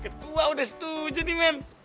ketua udah setuju nih men